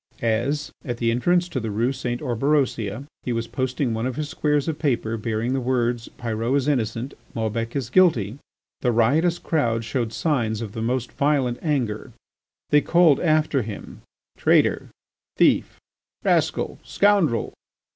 As, at the entrance to the Rue St. Orberosia, he was posting one of his squares of paper bearing the words: Pyrot is innocent, Maubec is guilty, the riotous crowd showed signs of the most violent anger. They called after him, "Traitor, thief, rascal, scoundrel."